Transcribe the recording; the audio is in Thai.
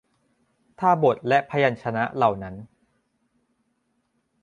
ถ้าบทและพยัญชนะเหล่านั้น